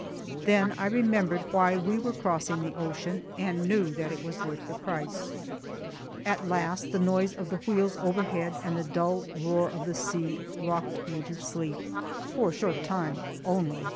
Then I remembered why we were crossing the ocean, and knew that it was worth the price. At last the noise of the wheels overhead, and the dull roar of the sea, rocked me to sleep. For a short time only.